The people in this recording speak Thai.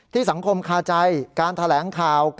ที่สังคมคาใจการทะแหลงข่าว